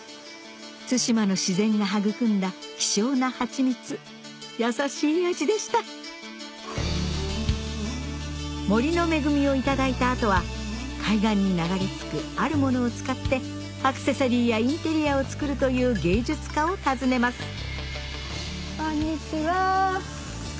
対馬の自然が育んだ希少な蜂蜜優しい味でした森の恵みをいただいた後は海岸に流れ着くあるものを使ってアクセサリーやインテリアを作るという芸術家を訪ねますこんにちは。